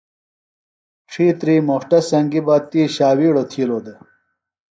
ڇِھیتری موݜٹہ سنگیۡ بہ تی ݜاوِیڑوۡ تِھیلوۡ دےۡ۔